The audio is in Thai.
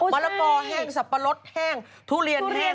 ละกอแห้งสับปะรดแห้งทุเรียนแห้ง